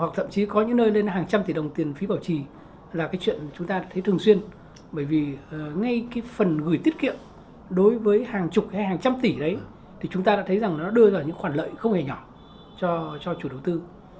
hoặc thậm chí có những nơi lên hàng trăm tỷ đồng tiền phí bảo trì là cái chuyện chúng ta thấy thường xuyên bởi vì ngay cái phần gửi tiết kiệm đối với hàng chục hay hàng trăm tỷ đấy thì chúng ta đã thấy rằng nó đưa ra những khoản lợi không hề nhỏ cho chủ đầu tư